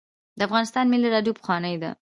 د افغانستان ملي راډیو پخوانۍ ده